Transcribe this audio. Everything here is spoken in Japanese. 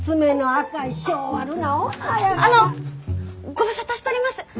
ご無沙汰しとります。